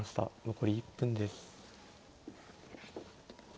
残り１分です。